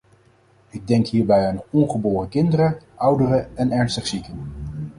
Ik denk hierbij aan ongeboren kinderen, ouderen en ernstig zieken.